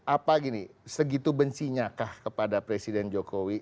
apa gini segitu bencinya kah kepada presiden jokowi